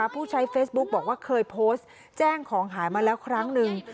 ผู้ใช้เฟซบุ๊กบอกว่าเคยโพสต์แจ้งของหายมาแล้วครั้งหนึ่ง